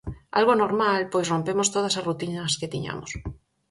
Algo normal pois rompemos todas as rutinas que tiñamos.